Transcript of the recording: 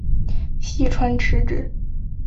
细川持之。